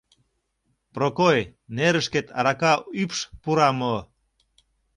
Прокой, нерышкет арака ӱпш пура мо?